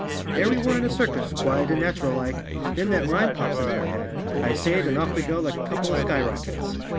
There we were in a circus, quiet and natural like, then that rhyme pops into my head. I say it and off we go like a couple of skyrockets.